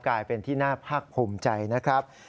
กลายเป็นที่น่าภาคภูมิใจนะครับ